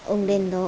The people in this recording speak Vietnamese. ông đến đó